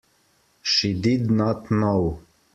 She did not know.